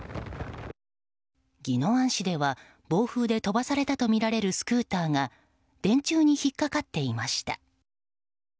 宜野湾市では暴風で飛ばされたとみられるスクーターが電柱に引っかかっていました。